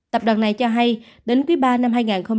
tập đoàn này cho hay đến quý ba năm hai nghìn một mươi bảy